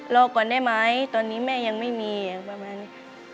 รอก่อนได้ไหมตอนนี้แม่ยังไม่มีประมาณนี้